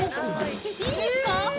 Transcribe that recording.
いいんですか。